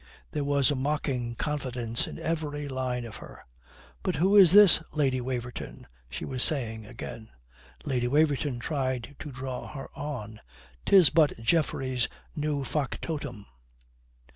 There was a mocking confidence in every line of her. "But who is this, Lady Waverton?" she was saying again. Lady Waverton tried to draw her on. "'Tis but Geoffrey's new factotum."